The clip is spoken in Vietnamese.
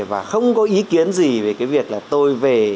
và không có ý kiến gì về cái việc là tôi về